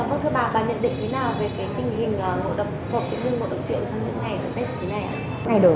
vâng thưa bà bà nhận định thế nào về cái tình hình ngộ độc phẩm cũng như ngộ độc rượu trong những ngày tết thế này ạ